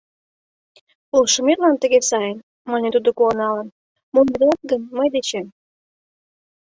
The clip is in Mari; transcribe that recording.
«Полшыметлан тыге сайын, Мане тудо куаналын, Мом йодат гын мый дечем